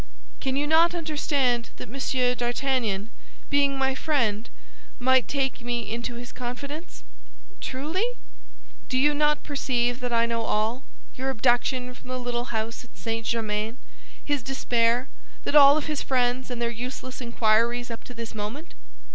"Can you not understand that Monsieur d'Artagnan, being my friend, might take me into his confidence?" "Truly?" "Do you not perceive that I know all—your abduction from the little house at St. Germain, his despair, that of his friends, and their useless inquiries up to this moment?